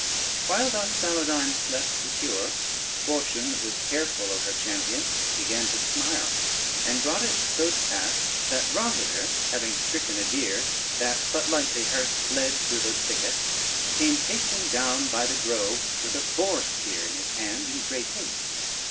While thus Saladyne slept secure, fortune that was careful of her champion began to smile, and brought it so to pass, that Rosader, having stricken a deer that but lightly hurt fled through the thicket, came pacing down by the grove with a boar spear in his hand in great haste.